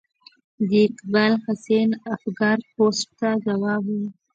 د اقبال حسین افګار پوسټ ته ځواب و.